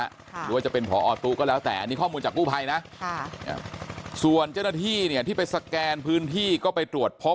หรือว่าจะเป็นพอตู้ก็แล้วแต่อันนี้ข้อมูลจากกู้ภัยนะส่วนเจ้าหน้าที่เนี่ยที่ไปสแกนพื้นที่ก็ไปตรวจพบ